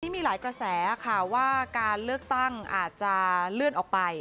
มีหลายกระแสค่ะว่าการเลือกตั้งอาจจะเลื่อนออกไป